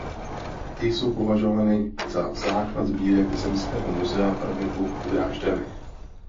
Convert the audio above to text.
Ty jsou považovány za základ sbírek Zemského muzea pravěku v Drážďanech.